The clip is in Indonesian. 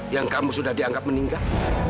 yang kamu sudah dianggap meninggal